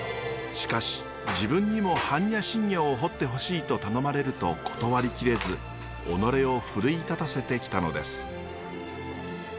しかし自分にも般若心経を彫ってほしいと頼まれると断り切れず己を奮い立たせてきたのです。